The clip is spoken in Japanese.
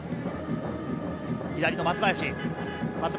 左の松林。